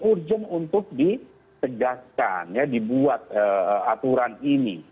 urgent untuk ditegaskan ya dibuat aturan ini